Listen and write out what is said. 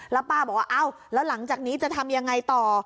แล้วป้าบอกว่าอ้าวแล้วหลังจากนี้จะทำยังไงต่อ